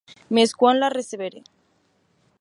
Mès quan la receberes?